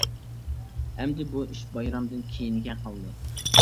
ئەمدى بۇ ئىش بايرامدىن كېيىنگە قالدى.